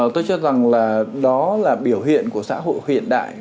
tôi cho rằng là đó là biểu hiện của xã hội hiện đại